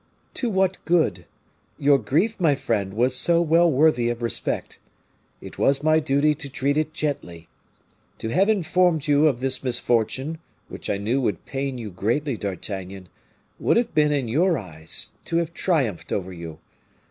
"To what good? Your grief, my friend, was so well worthy of respect. It was my duty to treat it gently. To have informed you of this misfortune, which I knew would pain you so greatly, D'Artagnan, would have been, in your eyes, to have triumphed over you.